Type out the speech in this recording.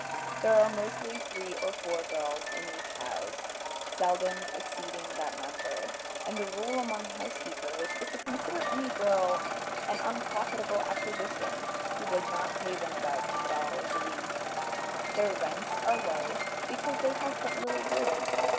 There are mostly three or four girls in each house, seldom exceeding that number, and the rule among house keepers is to consider any girl an unprofitable acquisition who does not pay them about ten dollars a week. Their rents are low, because they have but little room.